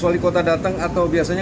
wali kota datang atau biasanya